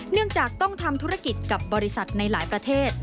เนื่องจากต้องทำธุรกิจกับบริษัทในหลายประเทศ